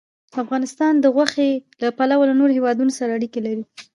افغانستان د غوښې له پلوه له نورو هېوادونو سره اړیکې لري.